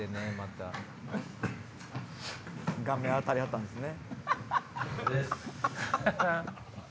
顔面当たりはったんですね。